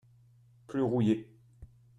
Plus rouillé.